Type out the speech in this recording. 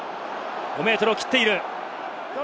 ５ｍを切っている。